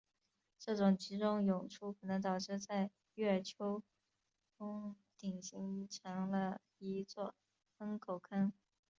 这种集中涌出可能导致在月丘峰顶形成了一座喷口坑。